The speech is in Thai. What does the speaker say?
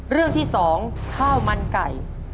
เรื่องที่๒ข้าวมันไก่